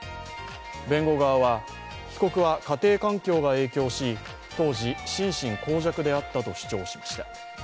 弁護側は、被告は家庭環境が影響し当時、心神耗弱であったと主張しました。